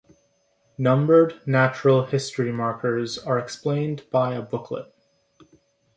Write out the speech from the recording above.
Numbered natural-history markers are explained by a booklet.